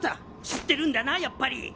知ってるんだなやっぱり。